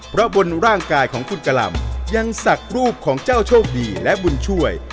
เพราะบนร่างกายของคุณกะหล่ำยังศักดิ์รูปของเจ้าโชคดีและบุญช่วย